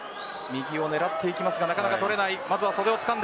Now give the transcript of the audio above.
右を狙っていきますがなかなか取れません。